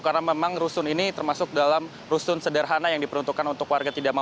karena memang rusun ini termasuk dalam rusun sederhana yang diperuntukkan untuk warga tidak mampu